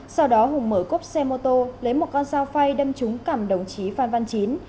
sau đó hùng mở cốc xe mô tô lấy một con sao phay đâm trúng cẳm đồng chí phan văn chín